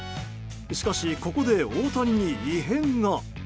しかし、ここで大谷に異変が。